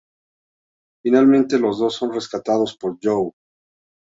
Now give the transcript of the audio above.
Finalmente los dos son rescatados por Joe.